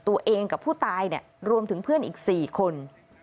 ตัวเองกับผู้ตายรวมถึงเพื่อนอีก๔คน